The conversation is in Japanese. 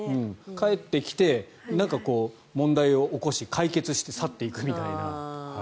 帰ってきてなんかこう、問題を起こし解決して、去っていくみたいな。